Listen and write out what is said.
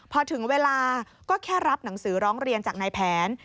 พอถึงเวลาก็แค่รับหนังสือร้องเรียนจากนายแผน